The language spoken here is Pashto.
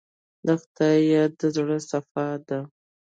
د خدای یاد د زړه صفا ده.